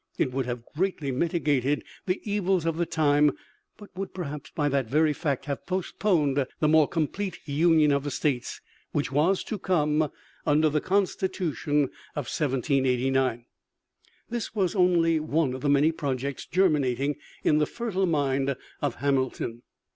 It would have greatly mitigated the evils of the time, but would perhaps by that very fact have postponed the more complete union of the states which was to come under the Constitution of 1789. This was only one of the many projects germinating in the fertile mind of Hamilton.